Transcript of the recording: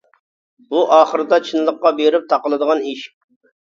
بۇ ئاخىردا چىنلىققا بېرىپ تاقىلىدىغان ئىش.